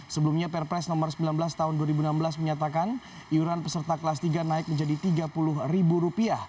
sebelumnya perpres nomor sembilan belas tahun dua ribu enam belas menyatakan iuran peserta kelas tiga naik menjadi rp tiga puluh